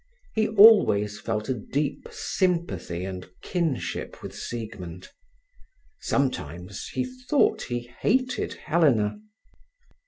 He always felt a deep sympathy and kinship with Siegmund; sometimes he thought he hated Helena.